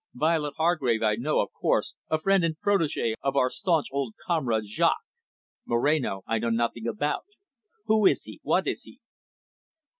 "Violet Hargrave I know, of course, a friend and protegee of our staunch old comrade Jaques. Moreno I know nothing about. Who is he, what is he?"